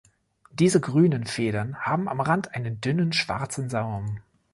Diese grünen Federn haben am Rand einen dünnen schwarzen Saum.